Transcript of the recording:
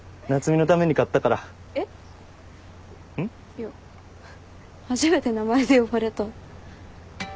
いや初めて名前で呼ばれた。